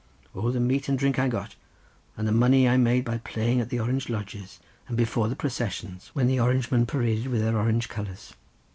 O the meat and drink I got, and the money I made by playing at the Orange lodges and before the processions when the Orange men paraded the streets with their Orange colours.